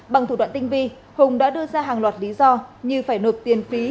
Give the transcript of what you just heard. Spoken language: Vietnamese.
bằng thủ đoạn tinh vi hùng đã đưa ra hàng loạt lý do như phải nộp tiền phí